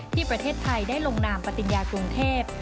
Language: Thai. ที่ประเทศไทยได้ลงนามปฏิญญากรุงเทพ